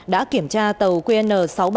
đã kiểm tra tàu qn sáu nghìn ba trăm sáu mươi năm